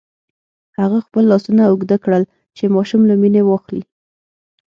هغه خپل لاسونه اوږده کړل چې ماشوم له مينې واخلي.